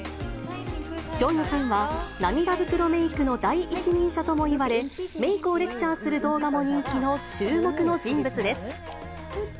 ジョンヨさんは涙袋メークの第一人者ともいわれ、メークをレクチャーする動画も人気の注目の人物です。